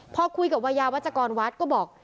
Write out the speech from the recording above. พอคุยกับวัยยาวัชกรวัดก็บอก